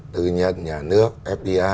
tư nhân nhà nước fdi